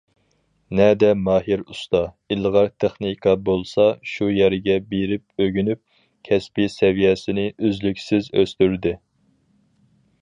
نەدە ماھىر ئۇستا، ئىلغار تېخنىكا بولسا، شۇ يەرگە بېرىپ ئۆگىنىپ، كەسپىي سەۋىيەسىنى ئۈزلۈكسىز ئۆستۈردى.